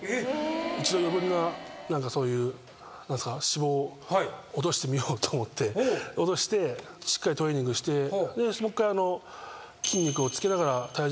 一度余分な脂肪を落としてみようと思って落としてしっかりトレーニングしてもう一回。